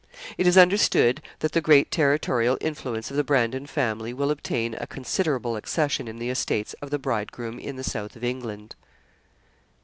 It is understood that the great territorial influence of the Brandon family will obtain a considerable accession in the estates of the bridegroom in the south of England.'